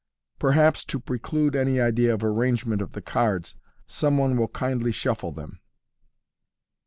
Perhaps, to preclude any idea of arrangement of the cards, some one will kindly shuffle them."